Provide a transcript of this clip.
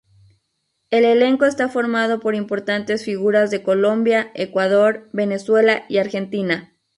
El elenco está formado por importantes figuras de Colombia, Ecuador, Venezuela y Argentina.